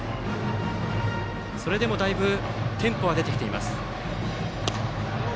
それでもだいぶテンポは出てきています。